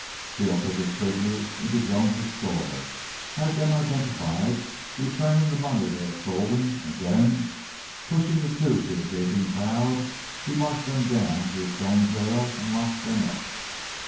Steele took his prisoners into Jones' store, had them identified; returned the money they had stolen, and then, pushing the two through the gaping crowd, he marched them down to his stone jail and locked them up.